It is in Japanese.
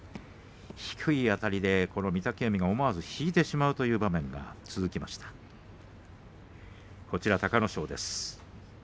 低いあたりで、御嶽海が思わず引いてしまうという場面が続きました隆の勝です。